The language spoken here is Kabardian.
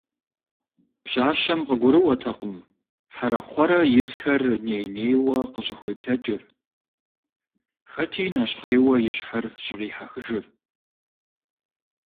Пщащэм къыгурыӀуэтэкъым Хьэрэ-Кхъуэрэ исхэр ней-нейуэ къыщӀыхуеплъэкӀыр, хэти нэщхъейуэ и щхьэр щӀрихьэхыжыр.